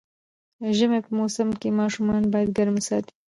ژمی په موسم کې ماشومان باید ګرم وساتي